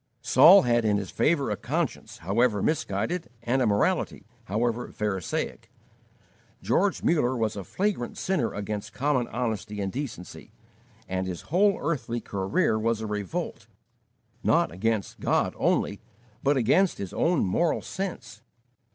Saul had in his favor a conscience, however misguided, and a morality, however pharisaic. George Muller was a flagrant sinner against common honesty and decency, and his whole early career was a revolt, not against God only, but against his own moral sense.